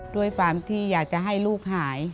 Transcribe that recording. ด้วยความที่อยากจะให้ลูกหาย